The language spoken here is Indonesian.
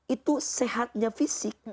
itu sehatnya fisik